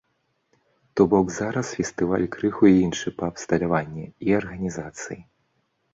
То бок, зараз фестываль крыху іншы па абсталяванні і арганізацыі.